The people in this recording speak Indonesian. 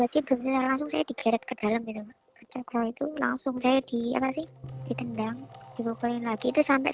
jadi berarti bener bener langsung saya digeret ke dalam gitu